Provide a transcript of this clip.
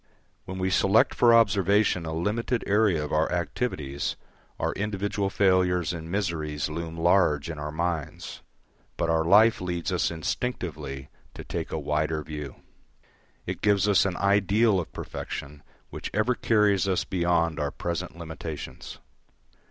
When we select for observation a limited area of our activities, our individual failures and miseries loom large in our minds; but our life leads us instinctively to take a wider view. It gives us an ideal of perfection which ever carries us beyond our present limitations.